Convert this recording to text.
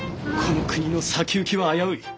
この国の先行きは危うい。